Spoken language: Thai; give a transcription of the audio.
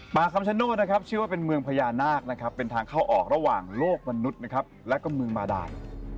คำชโนธนะครับชื่อว่าเป็นเมืองพญานาคนะครับเป็นทางเข้าออกระหว่างโลกมนุษย์นะครับแล้วก็เมืองบาดาน